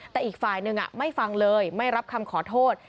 แต่อีกฝ่ายหนึ่งไม่ฟังเลยไม่รับคำขอโทษ